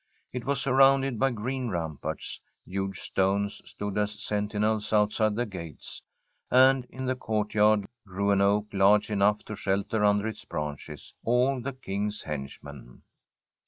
It was surrounded by green ramparts. Huge stones stood as sentinels outside the gates, and in the courtyard grew an oak laree enough to shelter under its branches all the King's henchmen.